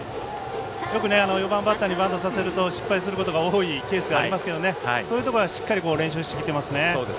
よく４番バッターにバントさせると失敗するケースがありますけどそういうところはしっかりと練習してきてますね。